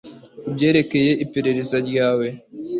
Kubyerekeye iperereza ryawe